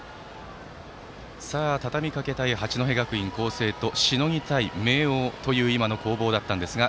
たたみかけたい八戸学院光星としのぎたい明桜という攻防でしたが。